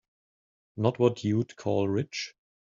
Not what you'd call rich.